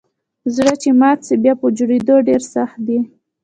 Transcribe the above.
زړه چي مات سي بیا یه جوړیدل ډیر سخت دئ